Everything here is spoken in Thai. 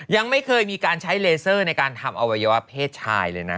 ยังไม่เคยมีการใช้เลเซอร์ในการทำอวัยวะเพศชายเลยนะ